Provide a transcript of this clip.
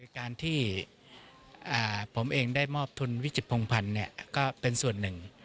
การที่ผมเองได้มอบทุนวิจิตพงภัณฑ์ก็เป็นส่วนหนึ่ง